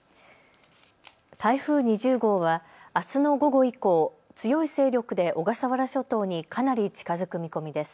台風２０号は、あすの午後以降、強い勢力で小笠原諸島にかなり近づく見込みです。